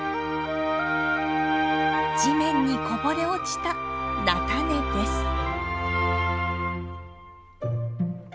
地面にこぼれ落ちた菜種です。